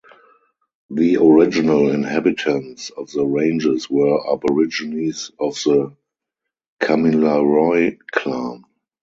The original inhabitants of the Ranges were Aborigines of the Kamilaroi clan.